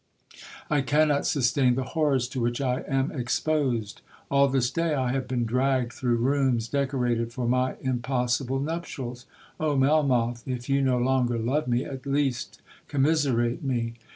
I cannot sustain the horrors to which I am exposed! All this day I have been dragged through rooms decorated for my impossible nuptials!—Oh, Melmoth, if you no longer love me, at least commiserate me!